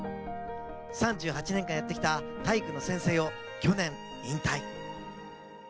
３８年間やってきた体育の先生を去年、引退。